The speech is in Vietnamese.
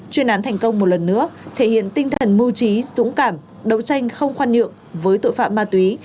chuyên án thành công một lần nữa thể hiện tinh thần mưu trí dũng cảm đấu tranh không khoan nhượng với tội phạm ma túy